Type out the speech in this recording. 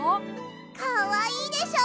かわいいでしょ。